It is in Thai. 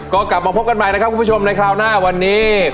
ก็กลับมาพบกันใหม่นะครับคุณผู้ชมในคราวหน้าวันนี้